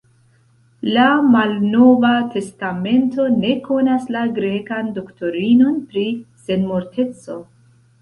La Malnova Testamento ne konas la grekan doktrinon pri senmorteco.